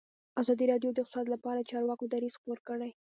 ازادي راډیو د اقتصاد لپاره د چارواکو دریځ خپور کړی.